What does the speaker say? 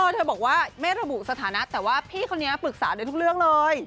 เธอบอกว่าไม่ระบุสถานะแต่ว่าพี่คนนี้ปรึกษาได้ทุกเรื่องเลย